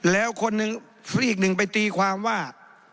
แล้วคนหนึ่งอีกหนึ่งไปตีความว่า